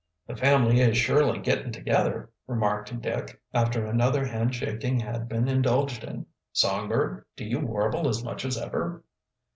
"The family is surely getting together," remarked Dick, after another handshaking had been indulged in. "Songbird, do you warble as much as ever?"